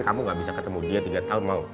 kamu gak bisa ketemu dia tiga tahun mau